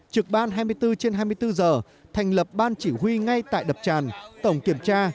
trực ban hai mươi bốn trên hai mươi bốn giờ thành lập ban chỉ huy ngay tại đập tràn tổng kiểm tra